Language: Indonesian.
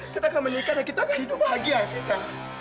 kita akan menikah dan kita akan hidup bahagia kita